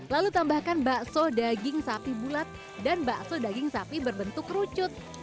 lalu tambahkan bakso daging sapi bulat dan bakso daging sapi berbentuk kerucut